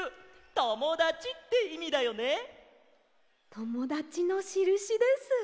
ともだちのしるしです。